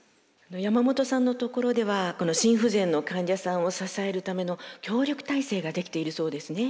山本さんのところでは心不全の患者さんを支えるための協力体制ができているそうですね。